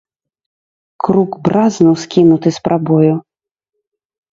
Крук бразнуў, скінуты з прабою.